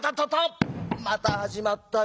「また始まったよ。